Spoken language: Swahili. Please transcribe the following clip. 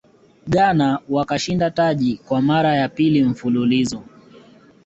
ghana wakashinda taji kwa mara ya pili mfululizo